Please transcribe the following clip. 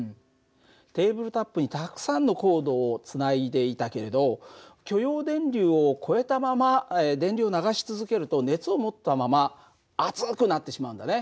テーブルタップにたくさんのコードをつないでいたけれど許容電流を超えたまま電流を流し続けると熱を持ったまま熱くなってしまうんだね。